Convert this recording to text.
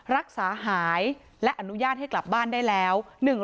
รักษาหายและอนุญาตให้กลับบ้านได้แล้ว